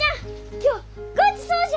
今日ごちそうじゃ！